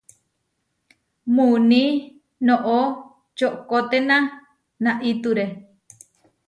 Muuní noʼó čoʼkoténa naʼitúre.